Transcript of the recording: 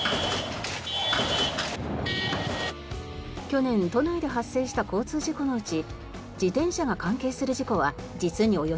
去年都内で発生した交通事故のうち自転車が関係する事故は実におよそ４割。